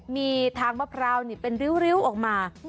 มีทางมะพร้าวเป็นริ้วออกมา